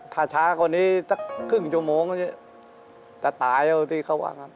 ถ้าช้ากว่านี้สักครึ่งจมจะตายเอาที่เขาว่างัน